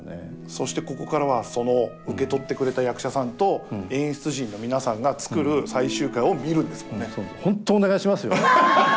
そしてここからはその受け取ってくれた役者さんと演出陣の皆さんが作る最終回を見るんですもんね。